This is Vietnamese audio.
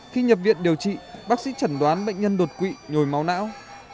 khi nhập viện điều trị bác sĩ chẩn đoán bệnh nhân đột quỵ nhồi máu não